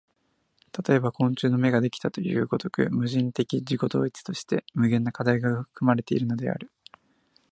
例えば昆虫の眼ができたという如く、矛盾的自己同一として無限の課題が含まれているのである。